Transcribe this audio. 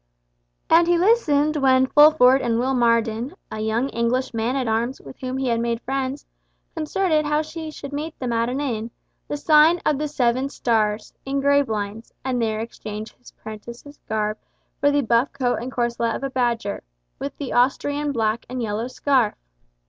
And he listened when Fulford and Will Marden, a young English man at arms with whom he had made friends, concerted how he should meet them at an inn—the sign of the Seven Stars—in Gravelines, and there exchange his prentice's garb for the buff coat and corslet of a Badger, with the Austrian black and yellow scarf.